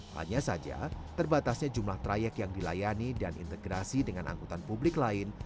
hanya saja terbatasnya jumlah trayek yang dilayani dan integrasi dengan angkutan publik lain